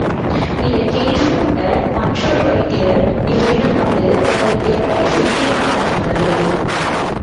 இதைக் கேள்விப்பட்ட மற்றொரு வைத்தியர் இவரிடம் வந்து உங்களுக்கு எப்படி வைத்திய ஞானம் வந்தது?